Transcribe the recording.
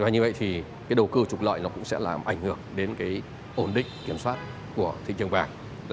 và như vậy thì cái đầu cơ trục lợi nó cũng sẽ làm ảnh hưởng đến cái ổn định kiểm soát của thị trường vàng